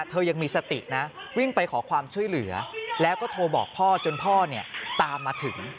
เธอยังมีสตินะวิ่งไปขอความช่วยเหลือแล้วก็โทรบอกพ่อจนพ่อเนี่ยตามมาถึง